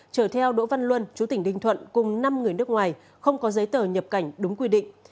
chở theo đỗ văn luân chú tỉnh ninh thuận cùng năm người nước ngoài không có giấy tờ nhập cảnh đúng quy định